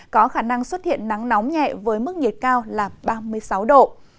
có khả năng xuất hiện nắng nóng nhẹ với mức nhiệt cao là ba mươi sáu độ